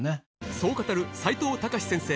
そう語る齋藤孝先生